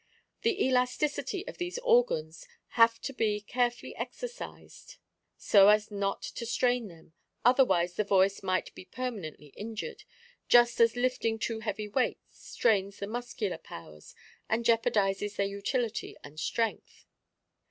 The elasticity of these organs have to be carefully exercised so as not to strain them, otherwise the voice might be permanently injured, just as lifting too heavy weights strains the muscular powers, and jeopardizes their utility and strength.